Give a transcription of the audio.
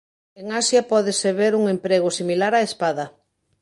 En Asia pódese ver un emprego similar á espada.